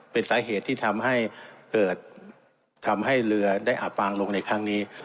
เป็นสาเหตุที่ทำให้เกิดทำให้เรือได้อับปางลงในครั้งนี้